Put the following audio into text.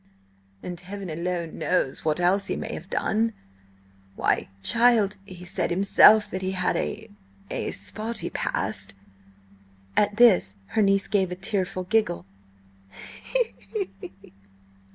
"And heaven alone knows what else he may have done! Why, child, he said himself that he had a–a spotty past!" At this her niece gave a tearful giggle.